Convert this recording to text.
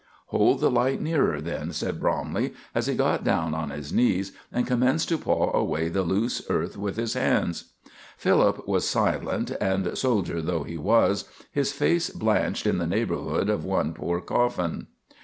"Hold the light nearer, then," said Bromley, as he got down on his knees and commenced to paw away the loose earth with his hands. Philip was silent, and, soldier though he was, his face blanched in the neighborhood of one poor coffin.